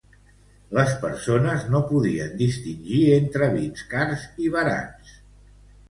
"Les persones no podien distingir entre vins cars i barats".